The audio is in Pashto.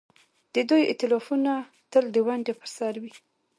د دوی ائتلافونه تل د ونډې پر سر وي.